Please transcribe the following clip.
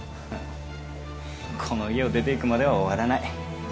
この家を出ていくまでは終わらない。